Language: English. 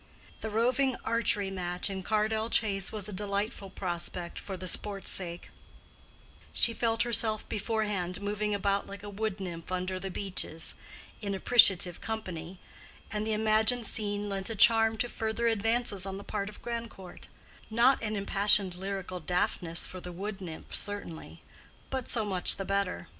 The roving archery match in Cardell Chase was a delightful prospect for the sport's sake: she felt herself beforehand moving about like a wood nymph under the beeches (in appreciative company), and the imagined scene lent a charm to further advances on the part of Grandcourt—not an impassioned lyrical Daphnis for the wood nymph, certainly: but so much the better.